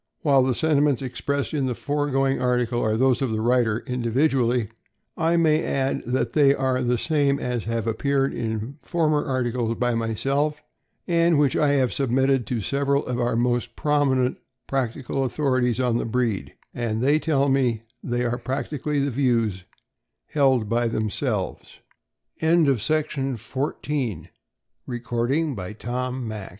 While the sentiments expressed in the foregoing article are those of the writer, individually, I may add they are the same as have appeared in former articles by myself, and which I have submitted to several of our most prominent practical authorities on the breed, and, they tell me, they are, practically, the views